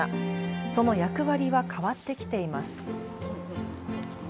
その役割は変わってきています。